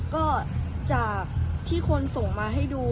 ก็จากที่คนส่งมาให้ดู